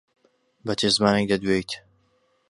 بە چ زمانێک دەدوێیت؟